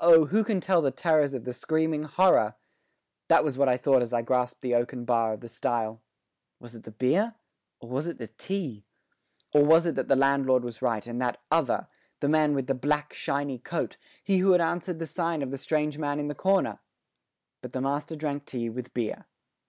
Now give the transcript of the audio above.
Oh, who can tell the terrors of the screaming horror! That was what I thought as I grasped the oaken bar of the stile. Was it the beer or was it the tea? Or was it that the landlord was right and that other, the man with the black, shiny coat, he who had answered the sign of the strange man in the corner? But the master drank tea with beer.